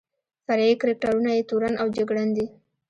فرعي کرکټرونه یې تورن او جګړن دي.